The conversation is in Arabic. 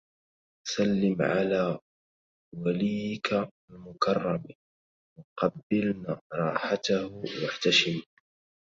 سلم على وليك المكرم وقبلن رَاحَتُه واحتشمِ